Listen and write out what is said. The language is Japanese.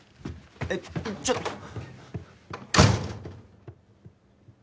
えっちょっと。